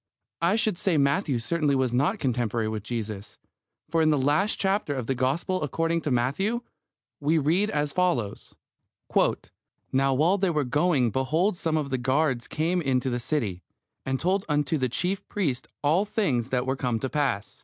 I should say Matthew certainly was not contemporary with Jesus, for in the last chapter of the Gospel according to Matthew we read as follows: Now while they were going behold some of the guard came into the city, and told unto the chief priests all the things that were come to pass.